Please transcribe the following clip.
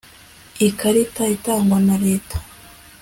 ikarita itangwa na reta